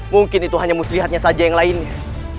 mungkin itu hanya muslihatnya saja yang lainnya